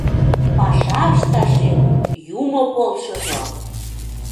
Паша ышташет юмо полшыжо!